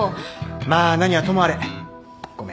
まあ何はともあれごめん。